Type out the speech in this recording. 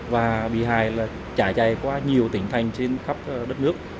và bị hại trải chạy qua nhiều tỉnh thành trên khắp đất nước